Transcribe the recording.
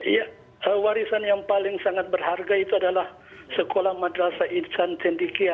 iya warisan yang paling sangat berharga itu adalah sekolah madrasah insan cendikia